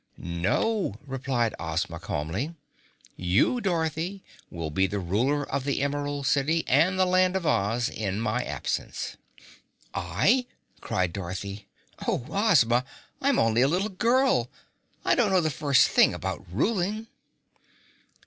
"No," replied Ozma calmly. "You, Dorothy, will be the ruler of the Emerald City and the Land of Oz in my absence." "I?" cried Dorothy. "Oh, Ozma, I'm only a little girl! I don't know the first thing about ruling!"